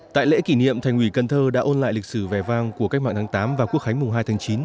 tại lễ kỷ niệm thành ủy cần thơ đã ôn lại lịch sử vẻ vang của cách mạng tháng tám và quốc khánh mùng hai tháng chín